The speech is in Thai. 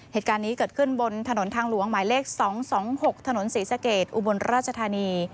เหตุการณ์นี้เกิดขึ้นบนถนนทางหลวงหมายเลข๒๒๖ถนนศรีสะเกดอุบลราชธานี